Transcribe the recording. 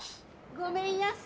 ごめんやす。